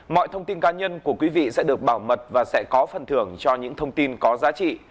mọi thông tin cá nhân của quý vị sẽ được bảo mật và sẽ có phần thưởng cho những thông tin có giá trị